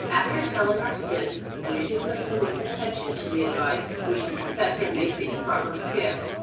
After telling our sins we should listen with attention to the advice which the confessor may think proper to give.